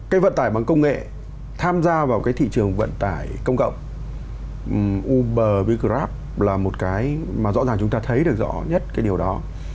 cái vận tải bằng công nghệ tham gia vào cái thị trường vận tải công cộng uber vicrap là một cái mà rõ ràng chúng ta thấy được rõ nhất cái điều đó